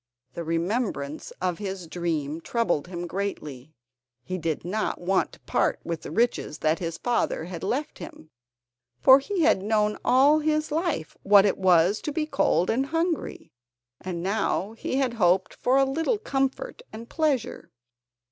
The remembrance of his dream troubled him greatly. He did not want to part with the riches that his father had left him, for he had known all his life what it was to be cold and hungry, and now he had hoped for a little comfort and pleasure.